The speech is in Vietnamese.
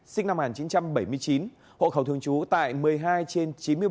sinh năm một nghìn chín trăm bảy mươi chín hộ khẩu thường trú tại một mươi hai trên chín mươi một